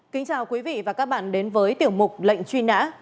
kính chào quý vị và các bạn đến với tiểu mục lệnh truy nã